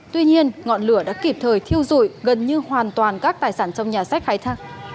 tuy nhiên ngọn lửa đã kịp thời thiêu dụi gần như hoàn toàn các tài sản trong nhà sách khai thác